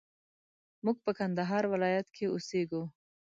موږ په کندهار ولايت کښي اوسېږو